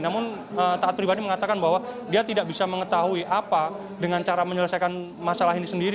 namun taat pribadi mengatakan bahwa dia tidak bisa mengetahui apa dengan cara menyelesaikan masalah ini sendiri